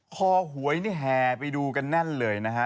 หวยนี่แห่ไปดูกันแน่นเลยนะฮะ